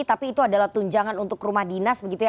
tapi itu adalah tunjangan untuk rumah dinas begitu ya